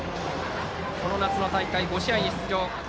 この夏の大会５試合に出場。